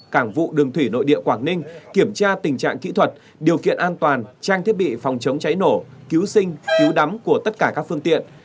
cảng vụ đường thủy nội địa quảng ninh kiểm tra tình trạng kỹ thuật điều kiện an toàn trang thiết bị phòng chống cháy nổ cứu sinh cứu đắm của tất cả các phương tiện